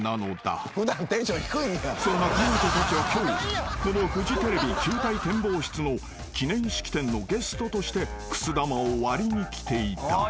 ［そんな彼女たちは今日このフジテレビ球体展望室の記念式典のゲストとしてくす玉を割りに来ていた］